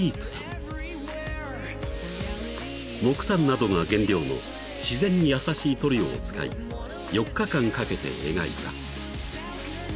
［木炭などが原料の自然に優しい塗料を使い４日間かけて描いた］